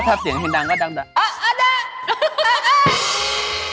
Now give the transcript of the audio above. ถ้าเสียงเทมดังก็ดังด้วย